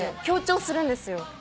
強調するんですよ